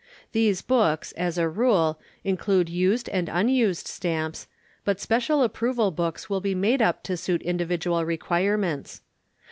These books, as a rule, include Used and Unused Stamps, but Special Approval Books will be made up to suit individual requirements.